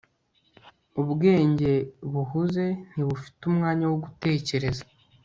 ubwenge buhuze ntibufite umwanya wo gutekereza